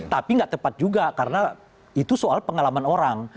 tapi nggak tepat juga karena itu soal pengalaman orang